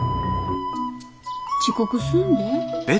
遅刻すんで。